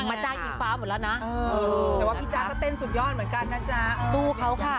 มาจ้างอิงฟ้าหมดแล้วนะแต่ว่าพี่จ๊ะก็เต้นสุดยอดเหมือนกันนะจ๊ะสู้เขาค่ะ